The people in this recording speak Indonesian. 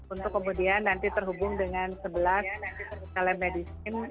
untuk kemudian nanti terhubung dengan sebelas telemedicine